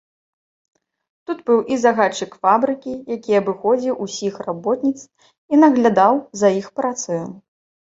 Тут быў і загадчык фабрыкі, які абыходзіў усіх работніц і наглядаў за іх працаю.